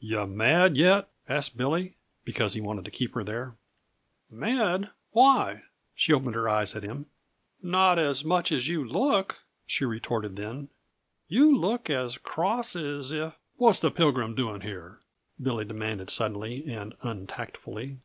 "Yuh mad yet?" asked Billy, because he wanted to keep her there. "Mad? Why?" She opened her eyes at him. "Not as much as you look," she retorted then. "You look as cross as if " "What's the Pilgrim doing here?" Billy demanded suddenly and untactfully.